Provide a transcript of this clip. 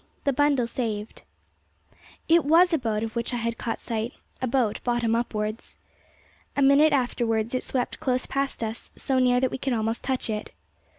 THE BUNDLE SAVED. It was a boat of which I had caught sight a boat bottom upwards. A minute afterwards it swept close past us, so near that we could almost touch it.